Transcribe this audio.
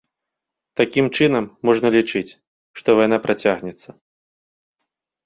Такім чынам, можна лічыць, што вайна працягнецца.